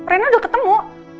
ren udah ketemu